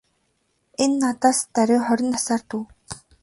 Энэ надаас даруй хорин насаар дүү.